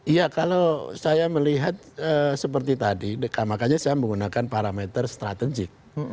iya kalau saya melihat seperti tadi makanya saya menggunakan parameter strategik